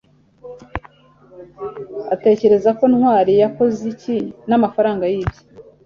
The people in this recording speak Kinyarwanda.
utekereza ko ntwali yakoze iki n'amafaranga yibye